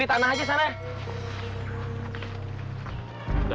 tanah aja sana